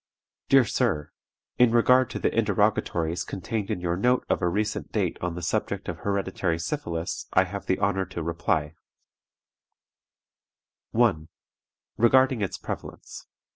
"DEAR SIR, In regard to the interrogatories contained in your note of a recent date on the subject of hereditary syphilis, I have the honor to reply: "1. Regarding its prevalence.